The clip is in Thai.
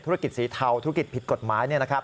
ธุรกิจสีเทาธุรกิจผิดกฎหมาย